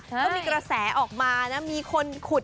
ก็มีกระแสออกมานะมีคนขุด